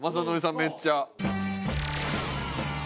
めっちゃ。